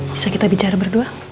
bisa kita bicara berdua